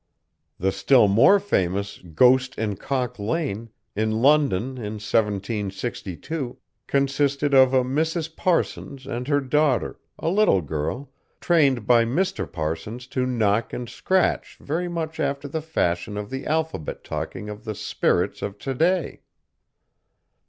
The still more famous "Ghost in Cock Lane," in London in 1762, consisted of a Mrs. Parsons and her daughter, a little girl, trained by Mr. Parsons to knock and scratch very much after the fashion of the alphabet talking of the "spirits" of to day.